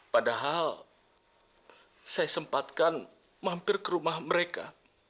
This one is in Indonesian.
padahal saya sempatkan mampir ke rumah mereka